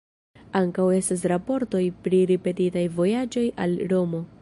Ankaŭ estas raportoj pri ripetitaj vojaĝoj al Romo.